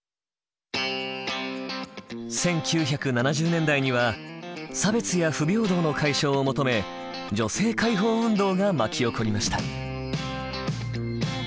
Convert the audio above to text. １９７０年代には差別や不平等の解消を求め女性解放運動が巻き起こりました。